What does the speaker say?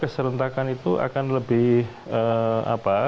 keserentakan itu akan lebih apa